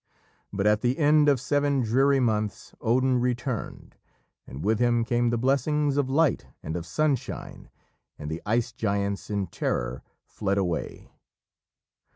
But at the end of seven dreary months Odin returned, and with him came the blessings of light and of sunshine, and the Ice Giants in terror fled away.